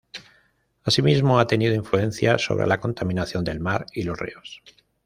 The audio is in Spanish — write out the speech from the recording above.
Asimismo ha tenido influencia sobre la contaminación del mar y los ríos.